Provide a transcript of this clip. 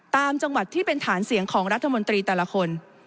ตามจังหวัดที่เป็นฐานเสียงของรัฐมนตรีแต่ละคน